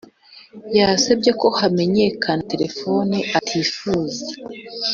Yasabye ko hamenyekana telefoni atifuza